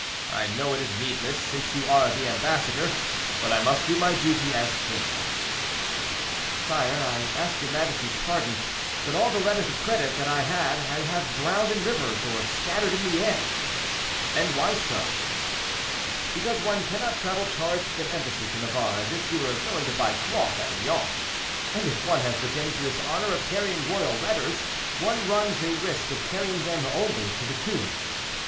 I know it is needless, since you are the ambassador: but I must do my duty as king." "Sire, I ask your majesty's pardon; but all the letters of credit that I had I have drowned in rivers, or scattered in the air." "And why so?" "Because one cannot travel charged with an embassy to Navarre as if you were going to buy cloth at Lyons; and if one has the dangerous honor of carrying royal letters, one runs a risk of carrying them only to the tomb."